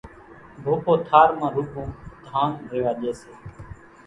ڀوپو ٿار مان روڳون ڌان ريوا ڄي سي۔